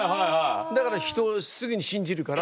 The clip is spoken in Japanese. だからひとをすぐに信じるから。